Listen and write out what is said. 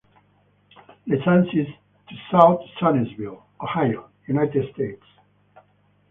Licensed to South Zanesville, Ohio, United States.